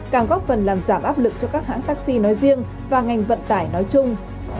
càng góp phần làm giảm áp lực cho các hãng taxi nói riêng và ngành vận tải nói chung